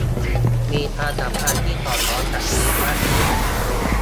มีความสัมพันธ์ที่สอดคล้องกับชีวิตมากขึ้น